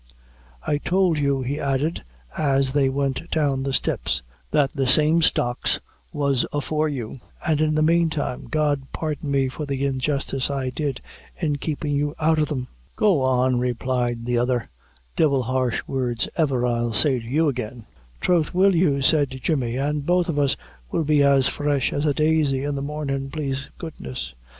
"I tould you," he added, as they went down the steps, "that the same stocks was afore you; an' in the mane time, God pardon me for the injustice I did in keepin' you out o' them." "Go on," replied the other; "devila harsh word ever I'll say to you again." "Throth will you," said Jemmy; "an' both of us will be as fresh as a daisy in the mornin', plaise goodness.